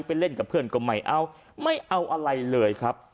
เล่นกับเพื่อนก็ไม่เอาไม่เอาอะไรเลยครับ